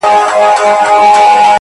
چي سُجده پکي؛ نور په ولاړه کيږي؛